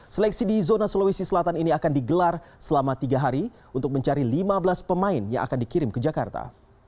seleksi di zona sulawesi selatan ini akan digelar selama tiga hari untuk mencari lima belas pemain yang akan dikirim ke jakarta